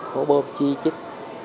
hố bôm chi chích